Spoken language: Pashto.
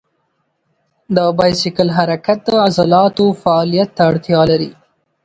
د بایسکل حرکت د عضلاتو فعالیت ته اړتیا لري.